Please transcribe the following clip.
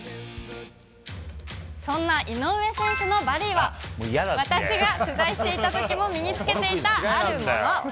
そんな井上選手のバディは、私が取材していたときも身につけていたあるもの。